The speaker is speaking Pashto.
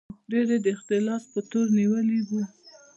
ډېر یې د اختلاس په تور نیولي وو.